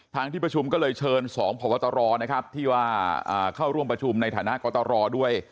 ที่ประชุมก็เลยเชิญ๒พบตรนะครับที่ว่าเข้าร่วมประชุมในฐานะกตรด้วย